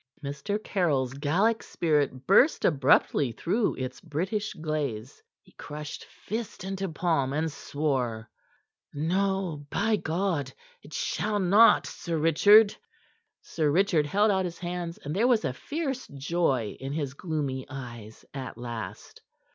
Mr. Caryll's Gallic spirit burst abruptly through its British glaze. He crushed fist into palm, and swore: "No, by God! It shall not, Sir Richard!" Sir Richard held out his hands, and there was a fierce joy in his gloomy eyes at last.